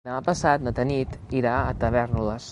Demà passat na Tanit irà a Tavèrnoles.